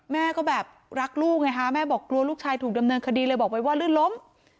แม่ก็แบบรักลูกไงฮะแม่บอกกลัวลูกชายถูกดำเนินคดีเลยบอกไว้ว่าลื่นล้ม